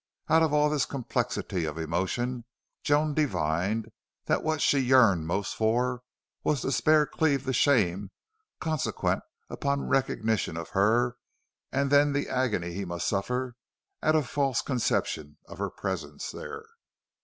Out of all this complexity of emotion Joan divined that what she yearned most for was to spare Cleve the shame consequent upon recognition of her and then the agony he must suffer at a false conception of her presence there.